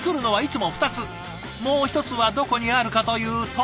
もう一つはどこにあるかというと。